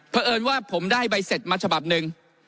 เผลอว่าผมได้ใบเสร็จมาฉบับหนึ่ง